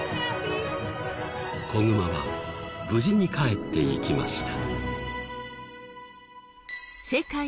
子グマは無事に帰っていきました。